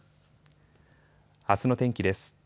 あすの天気です。